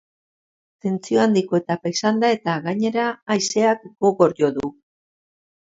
Tentsio handiko etapa izan da eta gainera haizeak gogor jo du.